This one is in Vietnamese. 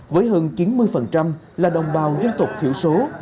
với hơn chín mươi là đồng bào dân tộc thiểu số